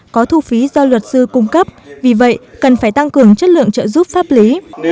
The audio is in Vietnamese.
có thu phí do luật sư cung cấp vì vậy cần phải tăng cường chất lượng trợ giúp pháp lý